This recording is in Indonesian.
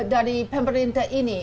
dari pemerintah ini